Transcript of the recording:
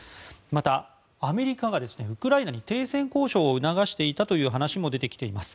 またアメリカがウクライナに停戦交渉を促していたという話も出てきています。